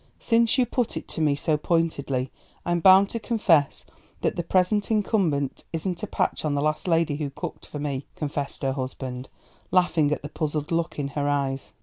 "Since you put it to me so pointedly, I'm bound to confess that the present incumbent isn't a patch on the last lady who cooked for me," confessed her husband, laughing at the puzzled look in her eyes.